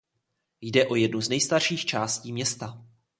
Jde o jednu z nejstarších částí města.